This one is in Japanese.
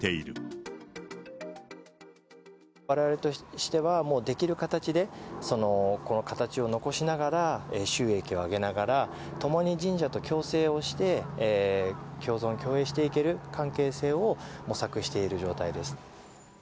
われわれとしては、もうできる形で、この形を残しながら、収益を上げながら、共に神社と共生をして、共存共栄していける関係性を模索している状態です。